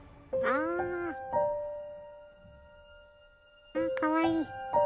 あかわいい。